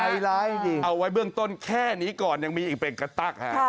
ไลท์เอาไว้เบื้องต้นแค่นี้ก่อนยังมีอีกเป็นกระตั๊กฮะ